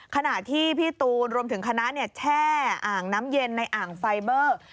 ขณะที่พี่ตูนรวมถึงคณะแช่อ่างน้ำเย็นในอ่างไฟเบอร์